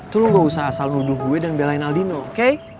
tolong gak usah asal nuduh gue dan belain aldino oke